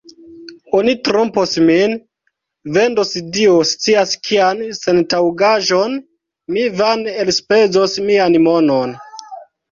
Oni trompos min, vendos Dio scias kian sentaŭgaĵon, mi vane elspezos mian monon.